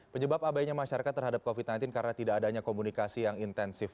penyebab abainya masyarakat terhadap covid sembilan belas karena tidak adanya komunikasi yang intensif